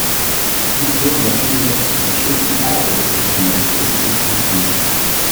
Die Kommission möchte jedoch die Unterstützung aller europäischen Mächte und bittet um diese.